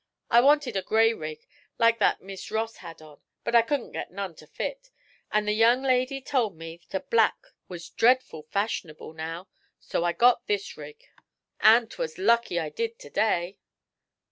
I wanted a gray rig, like that Miss Ross had on, but I couldn't get none to fit, an' the young lady told me 't black was dredful fash'nable now, so I got this rig; an' 'twas lucky I did ter day.'